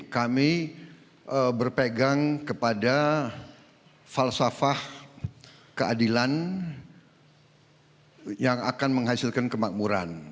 kami berpegang kepada falsafah keadilan yang akan menghasilkan kemakmuran